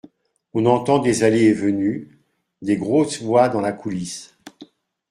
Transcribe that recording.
On entend des allées et venues… des grosses voix dans la coulisse.